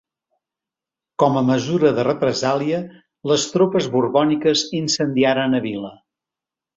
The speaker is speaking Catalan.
Com a mesura de represàlia les tropes borbòniques incendiaren a vila.